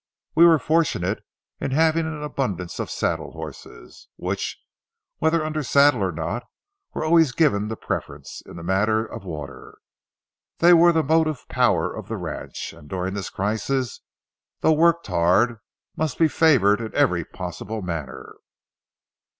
We were fortunate in having an abundance of saddle horses, which, whether under saddle or not, were always given the preference in the matter of water. They were the motive power of the ranch, and during this crisis, though worked hard, must be favored in every possible manner.